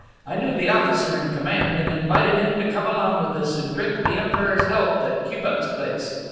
I knew the officer in command and invited him to come along with us and drink the Emperor's health at Cubat's place.